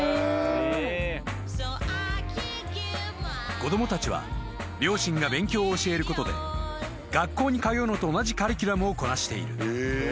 ［子供たちは両親が勉強を教えることで学校に通うのと同じカリキュラムをこなしている］